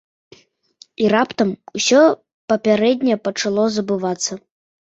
І раптам усё папярэдняе пачало забывацца.